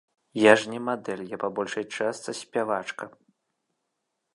Я ж не мадэль, я па большай частцы спявачка.